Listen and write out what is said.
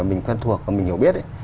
mình quen thuộc và mình hiểu biết